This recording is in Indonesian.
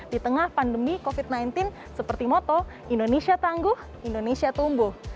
di tengah pandemi covid sembilan belas seperti moto indonesia tangguh indonesia tumbuh